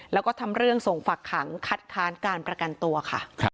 แล้วก็ทำเรื่องส่งฝักขังคัดค้านการประกันตัวค่ะ